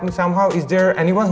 bisa kamu bantu saya bagaimana